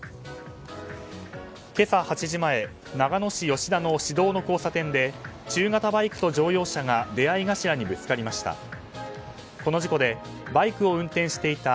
今朝８時前長野市吉田の市道の交差点で中型バイクと乗用車が出合い頭にぶつかりました。